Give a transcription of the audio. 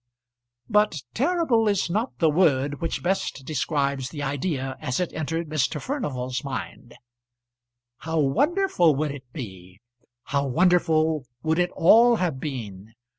But terrible is not the word which best describes the idea as it entered Mr. Furnival's mind. How wonderful would it be; how wonderful would it all have been!